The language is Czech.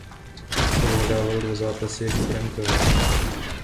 Odehrál dva zápasy jako brankář.